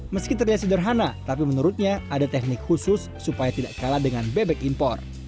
meski terlihat sederhana tapi menurutnya ada teknik khusus supaya tidak kalah dengan bebek impor